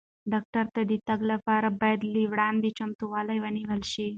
ډاکټر ته د تګ لپاره باید له وړاندې چمتووالی ونیول شي.